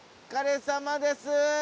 お疲れさまです。